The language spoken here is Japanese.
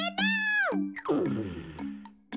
うん。